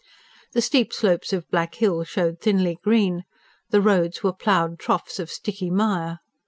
The steep slopes of Black Hill showed thinly green; the roads were ploughed troughs of sticky mire.